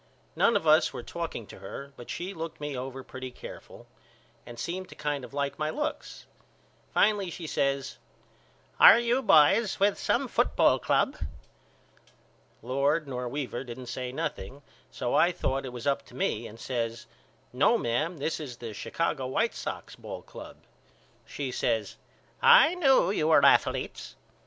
None of us were talking to her but she looked me over pretty careful and seemed to kind of like my looks. Finally she says Are you boys with some football club? Lord nor Weaver didn't say nothing so I thought it was up to me and I says No mam this is the Chicago White Sox Ball Club. She says I knew you were athaletes.